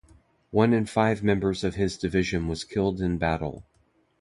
One in five members of his division was killed in battle.